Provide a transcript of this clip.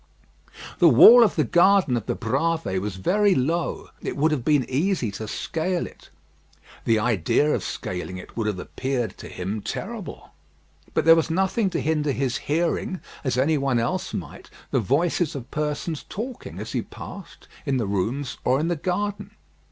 The wall of the garden of the Bravées was very low; it would have been easy to scale it. The idea of scaling it would have appeared, to him, terrible. But there was nothing to hinder his hearing, as any one else might, the voices of persons talking as he passed, in the rooms or in the garden.